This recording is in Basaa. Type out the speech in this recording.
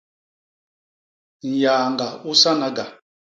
Nyaañga u sanaga.